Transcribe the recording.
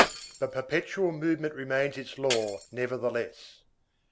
But perpetual movement remains its law, nevertheless.